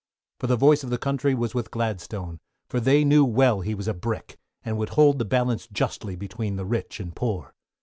For the voice of the Country was with Gladstone, for they knew well he was a Brick, and would hold the balance justly between the rich and poor.